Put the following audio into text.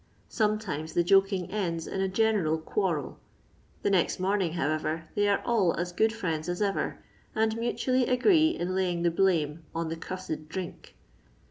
Sometimes the joking ends in a general quarrel ; the next morning, however, they are all as good friends as ever, and mutually agree in laying the blame on the " cussed drink."